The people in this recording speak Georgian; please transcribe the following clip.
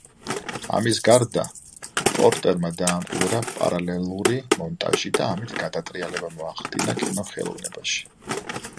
ამის გარდა, პორტერმა დაამკვიდრა პარალელური მონტაჟი და ამით გადატრიალება მოახდინა კინოხელოვნებაში.